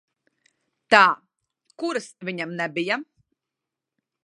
Tā, kuras viņam nebija?